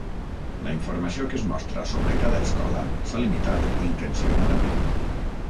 La informació que es mostra sobre cada escola s'ha limitat intencionadament.